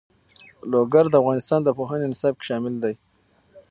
لوگر د افغانستان د پوهنې نصاب کې شامل دي.